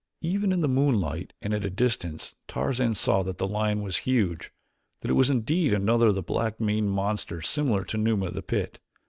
Even in the moonlight and at a distance Tarzan saw that the lion was huge; that it was indeed another of the black maned monsters similar to Numa of the pit.